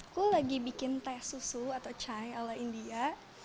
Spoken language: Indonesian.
aku lagi bikin teh susu atau chai ala india